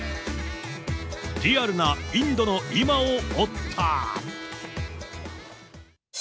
リアルなインドの今を追った。